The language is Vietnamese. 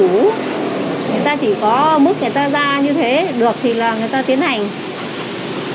người ta chỉ có mức người ta ra như thế được thì là người ta tiến hành